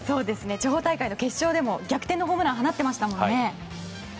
地方大会の決勝でも逆転のホームランを放っていましたもんね。